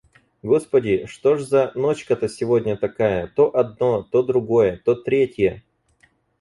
Господи, что ж за ночка-то сегодня такая. То одно, то другое, то третье!